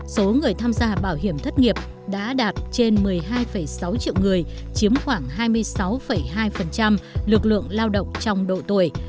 số người tham gia bảo hiểm thất nghiệp đã đạt trên một mươi hai sáu triệu người chiếm khoảng hai mươi sáu hai lực lượng lao động trong độ tuổi